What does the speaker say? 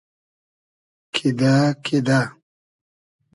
کیدۂ کیدۂ